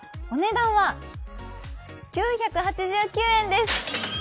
お値段は９８９円です！